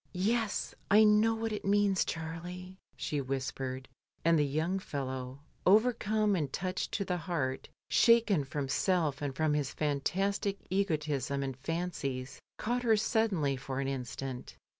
"Yes, I know what it means, Charlie," she whispered; and the young fellow overcome and touched to the heart, shaken from self and from his fantastic egotism and fancies, caught her suddenly for an instant.